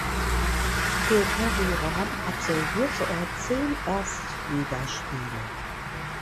Für Buriram absolvierte er zehn Erstligaspiele.